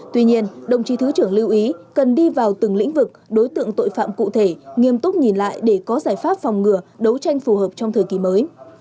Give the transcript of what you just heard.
tuy nhiên đồng chí thứ trưởng lưu ý cần đi vào từng lĩnh vực đối tượng tội phạm cụ thể nghiêm túc nhìn lại để có giải pháp phòng ngừa đấu tranh phù hợp trong thời kỳ mới